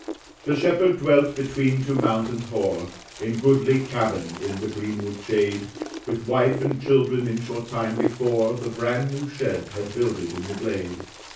The shepherd dwelt between two mountains hoar, In goodly cabin, in the greenwood shade, With wife and children; in short time before, The brand new shed had builded in the glade.